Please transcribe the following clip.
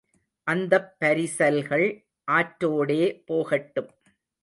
அந்தப் பரிசல்கள் ஆற்றோடே போகட்டும்.